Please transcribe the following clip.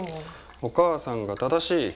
お母さんが正しい。